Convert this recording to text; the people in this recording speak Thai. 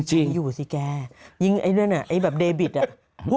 จริงอยู่สิแกยิ่งไอ้นั่นอ่ะไอ้แบบเดบิตอ่ะ